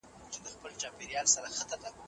دوی د ټولنې بدلونونه بیانوي.